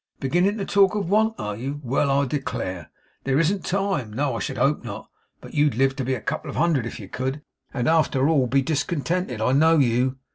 Beginning to talk of want, are you? Well, I declare! There isn't time? No, I should hope not. But you'd live to be a couple of hundred if you could; and after all be discontented. I know you!